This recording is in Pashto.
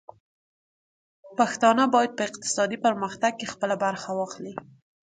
پښتانه بايد په اقتصادي پرمختګ کې خپله برخه واخلي.